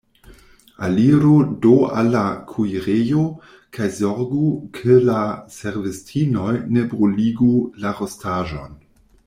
Aliru do al la kuirejo, kaj zorgu, ke la servistinoj ne bruligu la rostaĵon.